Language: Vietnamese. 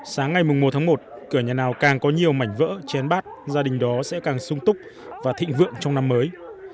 sáng ngày một tháng một cửa nhà nào càng có nhiều mảnh vỡ chén bát gia đình đó sẽ càng sung túc và thịnh vượng trong năm mới